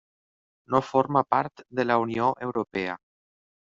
No forma part de la Unió Europea.